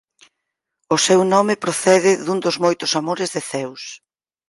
O seu nome procede dun dos moitos amores de Zeus.